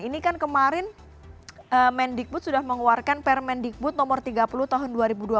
ini kan kemarin mendikbud sudah mengeluarkan permendikbud nomor tiga puluh tahun dua ribu dua puluh